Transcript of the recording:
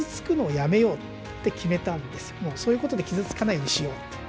そういうことで傷つかないようにしようって。